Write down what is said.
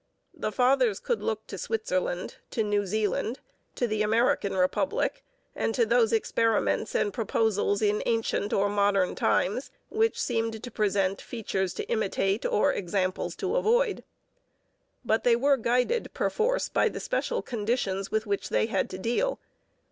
The Fathers could look to Switzerland, to New Zealand, to the American Republic, and to those experiments and proposals in ancient or modern times which seemed to present features to imitate or examples to avoid. But they were guided, perforce, by the special conditions with which they had to deal.